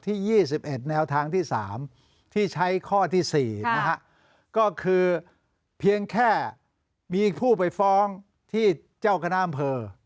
๒๑แนวทางที่๓ที่ใช้ข้อที่๔นะฮะก็คือเพียงแค่มีผู้ไปฟ้องที่เจ้าคณะอำเภอ